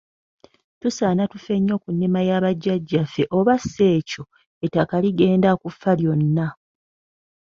Tusaana tufe nnyo ku nnima ya bajjajjaffe oba si ekyo ettaka ligenda kufa lyonna.